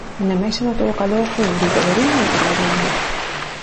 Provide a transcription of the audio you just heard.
Onde máis se notou a calor foi en Vigo, Verín e O Carballiño.